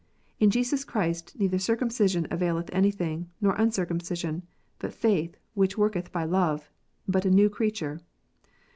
" In Jesus Christ neither circumcision availeth anything, nor un circumcision ; but faith which workcth by love, but a new creature."